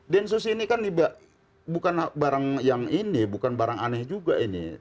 densus ini kan bukan barang yang ini bukan barang aneh juga ini